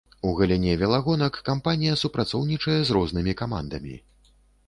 У галіне велагонак кампанія супрацоўнічае з рознымі камандамі.